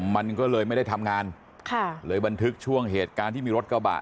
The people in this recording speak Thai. มันก็เลยไม่ได้ทำงานค่ะเลยบันทึกช่วงเหตุการณ์ที่มีรถกระบะ